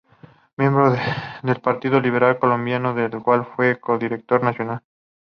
Miembro del Partido Liberal Colombiano del cual fue Co-Directora Nacional.